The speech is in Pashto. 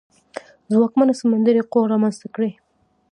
ځواکمنه سمندري قوه رامنځته کړي.